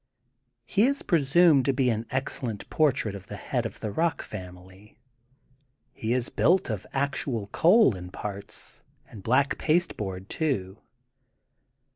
He is presumed to be an ex cellent portrait of the head of the Bock family. He is built of actual coal, in parts, and black pasteboard also.